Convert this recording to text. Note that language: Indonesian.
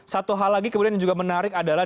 satu hal lagi kemudian yang juga menarik adalah